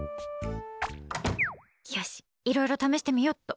よしいろいろ試してみようっと。